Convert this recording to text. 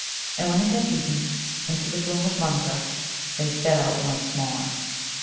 And when they had eaten, into the gloom of Munza they set out once more.